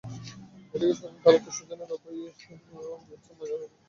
এদিকে সজল তাঁর আত্মীয়স্বজনদের অভয় দিচ্ছেন, ময়নাতদন্ত প্রতিবেদন ঠিকই আত্মহত্যার আসবে।